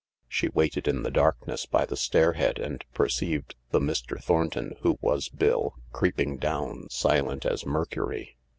She waited in the darkness by the stairhead and per ceived the Mr. Thornton who was Bill creeping down, silent as Mercury.